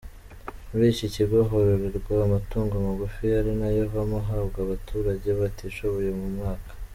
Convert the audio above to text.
Muri iki kigo hororerwa amatungo magufi ari nayo avamo ahabwa abaturage batishoboye buri mwaka.